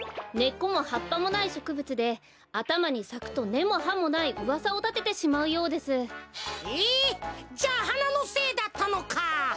根っこも葉っぱもないしょくぶつであたまにさくと根も葉もないうわさをたててしまうようです。え！じゃあはなのせいだったのか。